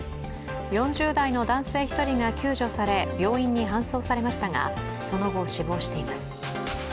４０代の男性１人が救助され病院に搬送されましたがその後、死亡しています。